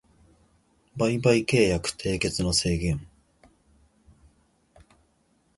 売買契約締結の制限